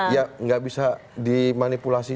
ya tidak bisa dimanipulasi